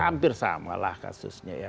hampir sama lah kasusnya ya